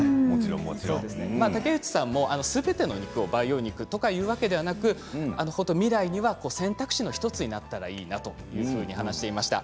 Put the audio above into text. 竹内さんは、すべての肉を培養肉というわけではなくて未来には選択肢の１つになったらいいなと話していました。